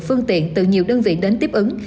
phương tiện từ nhiều đơn vị đến tiếp ứng